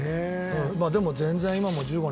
でも全然今も１５年。